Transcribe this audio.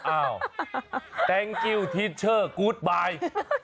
อ้าวขอบคุณครับที่ดาวสวัสดี